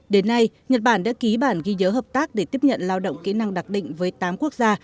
đến nay nhật bản đã ký bản ghi nhớ hợp tác để tiếp nhận lao động kỹ năng đặc định với tám quốc gia